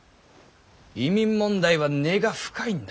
移民問題は根が深いんだ。